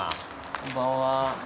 こんばんは。